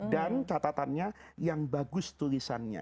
dan catatannya yang bagus tulisannya